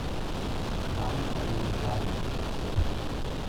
Sie kamen an Jugoslawien.